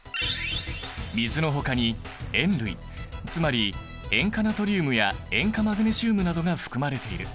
水のほかに塩類つまり塩化ナトリウムや塩化マグネシウムなどが含まれている。